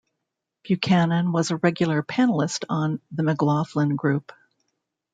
Buchanan was a regular panelist on "The McLaughlin Group".